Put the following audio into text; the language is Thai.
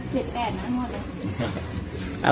เต่า